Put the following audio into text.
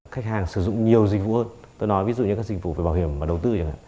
khách hàng sử dụng nhiều dịch vụ hơn tôi nói ví dụ như các dịch vụ về bảo hiểm và đầu tư